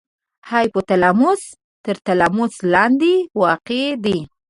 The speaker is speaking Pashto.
هایپو تلاموس تر تلاموس لاندې واقع دی.